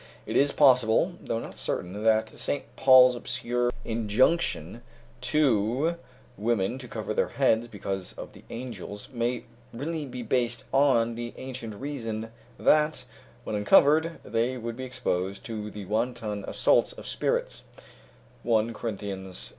It is possible, though not certain, that St. Paul's obscure injunction to women to cover their heads "because of the angels," may really be based on the ancient reason, that when uncovered they would be exposed to the wanton assaults of spirits (1 Corinthians, Ch.